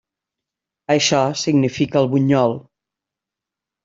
Això significa el bunyol.